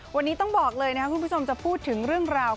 วันนี้ต้องบอกเลยนะครับคุณผู้ชมจะพูดถึงเรื่องราว